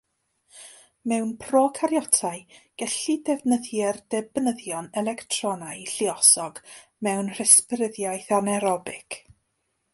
Mewn procaryotau, gellir defnyddio derbynyddion electronau lluosog mewn resbiradaeth anaerobig.